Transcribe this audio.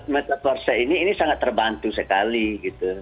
empat metaverse ini sangat terbantu sekali gitu